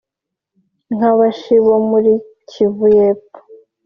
nk’Abashi bo muri Kivu y’Epfo